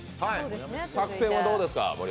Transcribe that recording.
作戦はどうですか？